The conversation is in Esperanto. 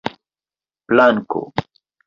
planko